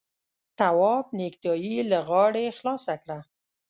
تواب نېکټايي له غاړې خلاصه کړه.